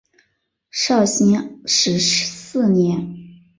绍兴十四年。